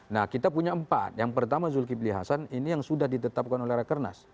nah kita punya empat yang pertama zulkifli hasan ini yang sudah ditetapkan oleh rakernas